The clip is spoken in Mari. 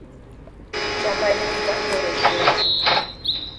— Чапаев тугак тореш руа..